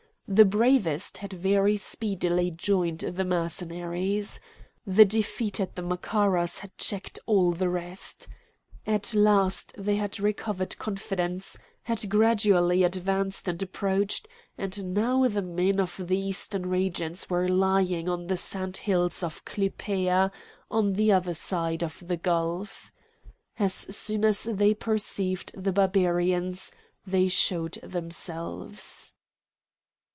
The bravest had very speedily joined the Mercenaries. The defeat at the Macaras had checked all the rest. At last they had recovered confidence, had gradually advanced and approached; and now the men of the eastern regions were lying on the sandhills of Clypea on the other side of the gulf. As soon as they perceived the Barbarians they showed themselves.